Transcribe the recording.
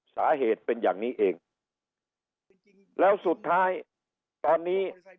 สาเหตุเป็นอย่างนี้เองแล้วสุดท้ายตอนนี้